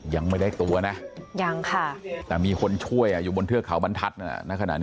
ยังไม่ได้ตัวนะยังค่ะแต่มีคนช่วยอยู่บนเทือกเขาบรรทัศน์ณขณะนี้